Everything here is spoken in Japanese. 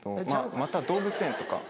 また動物園とか。